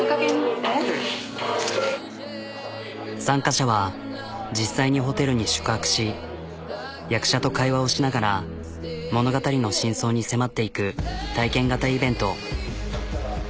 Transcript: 参加者は実際にホテルに宿泊し役者と会話をしながら物語の真相に迫っていく体験型イベント。